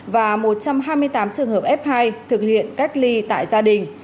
và một trăm hai mươi tám trường hợp f hai thực hiện cách ly tại gia đình